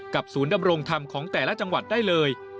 ศูนย์ดำรงธรรมของแต่ละจังหวัดได้เลย